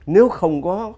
nếu không có